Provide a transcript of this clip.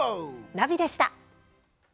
ナビでした。